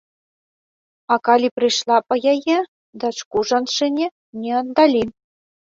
А калі прыйшла па яе, дачку жанчыне не аддалі.